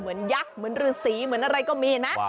เหมือนยักษ์เหมือนฤษีเหมือนอะไรก็มีนะ